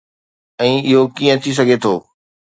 ۽ اهو ڪيئن ٿي سگهي ٿو؟